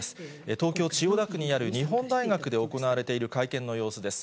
東京・千代田区にある日本大学で行われている会見の様子です。